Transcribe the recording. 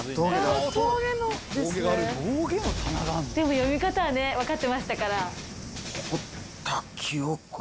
読み方は分かってましたから。